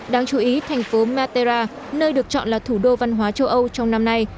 đáng chú ý thành phố matera nơi được chọn là thủ đô văn hóa châu âu trong năm nay